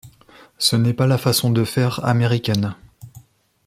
Ce n'est pas la façon de faire américaine.